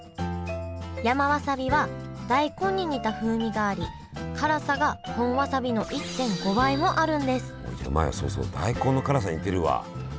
山わさびは大根に似た風味があり辛さが本わさびの１．５倍もあるんですそうそう大根の辛さに似てるわ。